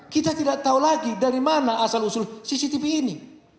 kita tidak tahu lagi dari mana asal usul cctv ini